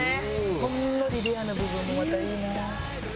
ほんのりレアな部分もまたいいなあ。